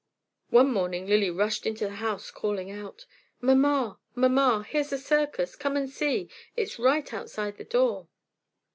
One morning Lily rushed into the house calling out: "Mama, mama, here's a circus! Come and see! It's right outside the door!"